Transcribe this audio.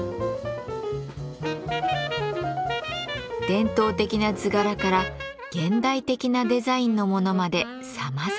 伝統的な図柄から現代的なデザインのものまでさまざま。